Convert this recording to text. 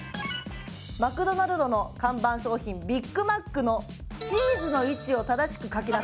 マクドナルドの看板商品ビッグマックのチーズの位置を正しく書きなさい。